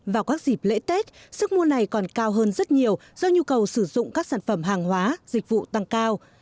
vào các dịp lễ tết sức mua này còn cao hơn rất nhiều do nhu cầu sử dụng các sản phẩm hàng hóa dịch vụ tăng cao